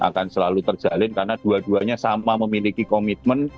akan selalu terjalin karena dua duanya sampah memiliki komitmen